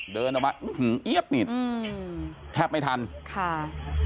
เดินออกมาอื้อหือเอี๊ยดนี่อืมแทบไม่ทันค่ะ